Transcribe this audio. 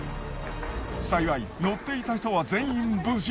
幸い乗っていた人は全員無事。